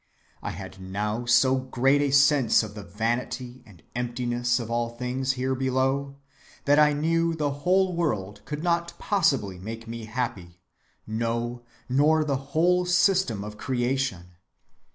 I had now so great a sense of the vanity and emptiness of all things here below, that I knew the whole world could not possibly make me happy, no, nor the whole system of creation.